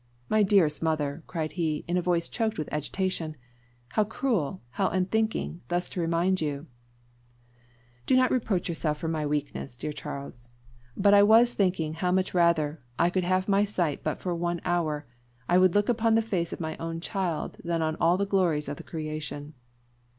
"My dearest mother!" cried he in a voice choked with agitation, "how cruel how unthinking thus to remind you " "Do not reproach yourself for my weakness, dear Charles; but I was thinking how much rather, could I have my sight but for one hour, I would look upon the face of my own child than on all the glories of the creation!"